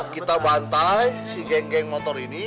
kita bantai si geng geng motor ini